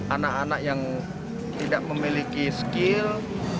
anak anak yang tidak memiliki skill